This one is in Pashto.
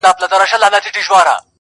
• په دوا چي یې رڼا سوې دواړي سترګي -